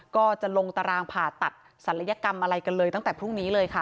ก็จะลงตารางผ่าตัดศัลยกรรมอะไรกันเลยตั้งแต่พรุ่งนี้เลยค่ะ